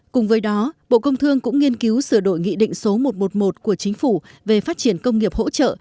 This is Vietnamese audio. cùng với đó bộ công thương cũng nghiên cứu sửa đổi nghị định số một trăm một mươi một của chính phủ về phát triển công nghiệp hỗ trợ